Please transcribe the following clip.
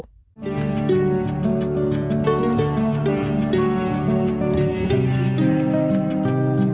hãy đăng ký kênh để ủng hộ kênh của mình nhé